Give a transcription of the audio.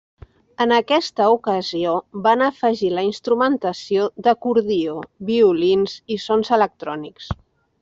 En aquesta ocasió van afegir la instrumentació d'acordió, violins i sons electrònics.